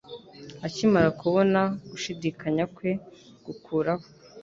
akimara kubona gushidikanya kwe gukuraho